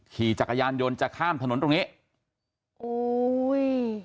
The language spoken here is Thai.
ขี่จักรยานยนต์จะข้ามถนนตรงนี้โอ้ย